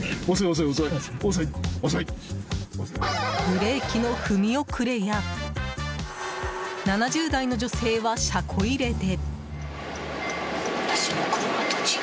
ブレーキの踏み遅れや７０代の女性は車庫入れで。